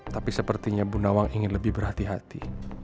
tapi sepertinya bu nawang ingin lebih berhati hati